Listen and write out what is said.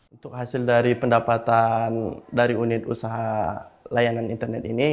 untuk hasil dari pendapatan dari unit usaha layanan internet ini